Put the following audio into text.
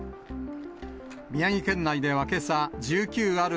宮城県内ではけさ、１９ある